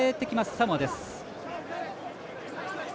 サモアです。